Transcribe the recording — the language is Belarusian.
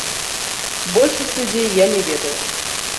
Большасць людзей я не ведаў.